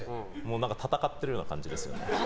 何か戦っているような感じですね。